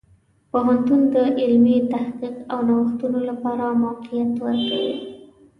پوهنتون د علمي تحقیق او نوښتونو لپاره موقعیت ورکوي.